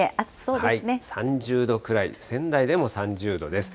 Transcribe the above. ３０度くらい、仙台でも３０度です。